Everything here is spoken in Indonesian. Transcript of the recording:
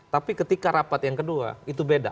tapi ketika rapat yang kedua itu beda